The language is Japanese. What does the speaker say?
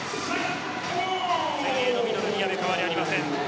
前衛のミドル宮部に変わりありません。